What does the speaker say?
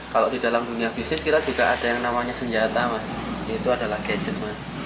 kalau di dalam dunia bisnis kita juga ada yang namanya senjata mas itu adalah gadget mas